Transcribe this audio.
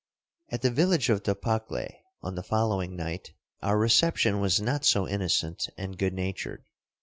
21 At the village of Topakle, on the following night, our reception was not so innocent and good natured.